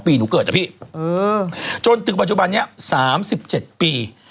ปีหนูเกิดจ้ะพี่เออจนถึงปัจจุบันนี้สามสิบเจ็ดปี